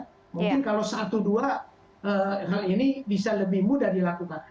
mungkin kalau satu dua hal ini bisa lebih mudah dilakukan